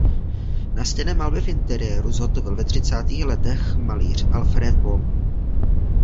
Nástěnné malby v interiéru zhotovil ve třicátých letech malíř Alfred Böhm.